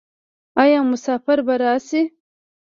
آیا مسافر به راشي؟